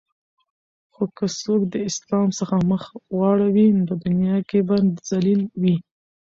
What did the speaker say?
خو که څوک د اسلام څخه مخ واړوی په دنیا کی به ذلیل وی